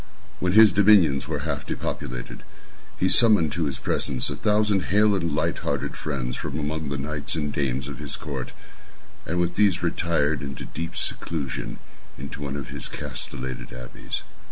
When his dominions were half depopulated, he summoned to his presence a thousand hale and light hearted friends from among the knights and dames of his court, and with these retired to the deep seclusion of one of his castellated abbeys.